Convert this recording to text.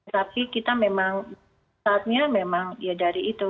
tapi kita memang saatnya memang ya dari itu